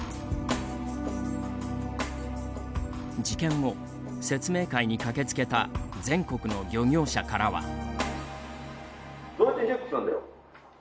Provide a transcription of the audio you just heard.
事件後、説明会に駆けつけた全国の漁業者からは。